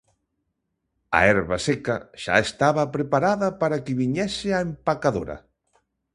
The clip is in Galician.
A herba seca xa estaba preparada para que viñese a empacadora.